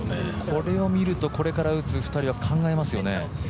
これを見るとこれから打つ２人は考えますよね。